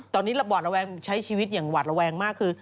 ตอนนี้ระบอดระแวงใช้ชีวิตอย่างหวัดระแวงมากคือ